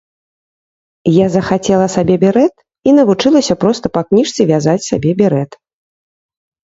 Я захацела сабе берэт і навучылася проста па кніжцы вязаць сабе берэт.